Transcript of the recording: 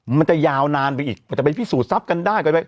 มันจะยาวนานไปอีกมันจะไปพิสูจนทรัพย์กันได้